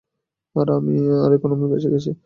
আর এখন আমি ফেঁসে গেছি।